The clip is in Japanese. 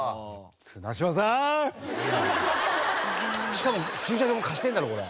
しかも駐車場も貸してるだろこれ。